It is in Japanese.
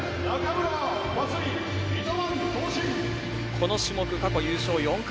この種目、過去優勝４回。